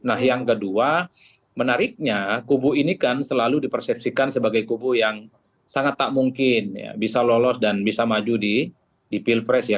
nah yang kedua menariknya kubu ini kan selalu dipersepsikan sebagai kubu yang sangat tak mungkin bisa lolos dan bisa maju di pilpres ya